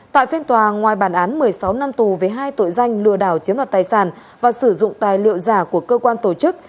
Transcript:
tại phiên tòa ngoài bản án một mươi sáu năm tù về hai tội danh lừa đảo chiếm đoạt tài sản và sử dụng tài liệu giả của cơ quan tổ chức